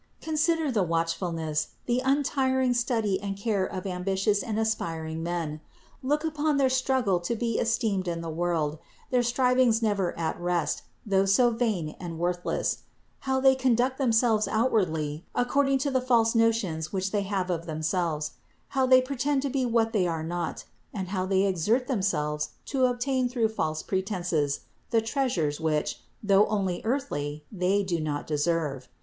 Consider the watchfulness, the untiring study and care of ambitious THE INCARNATION 351 and aspiring men. Look upon their struggle to be esteemed in the world, their strivings never at rest, though so vain and worthless; how they conduct them selves outwardly according to the false notions which they have of themselves; how they pretend to be what they are not, and how they exert themselves to obtain through these false pretenses the treasures, which, though only earthly, they do not deserve.